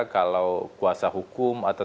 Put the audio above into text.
kalau kuasa hukum atau